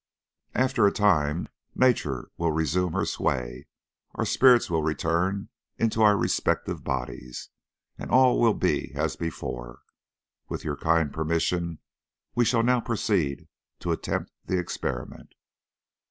After a time nature will resume her sway, our spirits will return into our respective bodies, and all will be as before. With your kind permission, we shall now proceed to attempt the experiment."